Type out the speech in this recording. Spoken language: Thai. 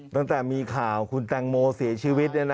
ตั้งแต่มีข่าวคุณแตงโมเสียชีวิต